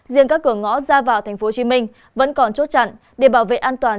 riêng các cửa ngõ ra vào tp hcm vẫn còn chốt chặn để bảo vệ an toàn